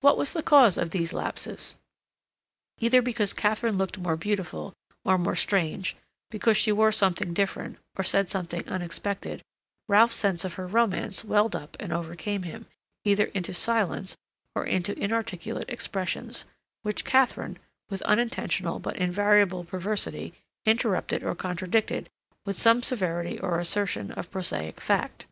What was the cause of these lapses? Either because Katharine looked more beautiful, or more strange, because she wore something different, or said something unexpected, Ralph's sense of her romance welled up and overcame him either into silence or into inarticulate expressions, which Katharine, with unintentional but invariable perversity, interrupted or contradicted with some severity or assertion of prosaic fact.